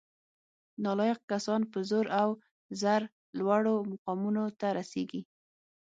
نالایق کسان په زور او زر لوړو مقامونو ته رسیږي